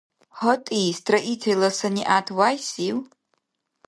ГьатӀи, строителла санигӀят вяйсив?